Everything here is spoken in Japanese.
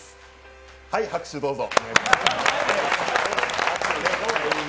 はい、拍手どうぞ。